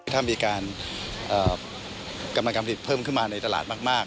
ถ้ามีการกำลังการผลิตเพิ่มขึ้นมาในตลาดมาก